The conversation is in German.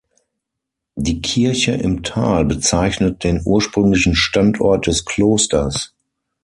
Die Kirche im Tal bezeichnet den ursprünglichen Standort des Klosters.